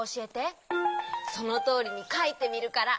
そのとおりにかいてみるから。